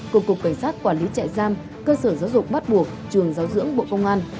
cục cảnh sát quản lý trại giam cơ sở giáo dục bắt buộc trường giáo dưỡng bộ công an